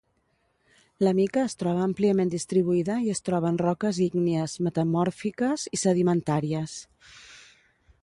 La mica es troba àmpliament distribuïda i es troba en roques ígnies, metamòrfiques i sedimentàries.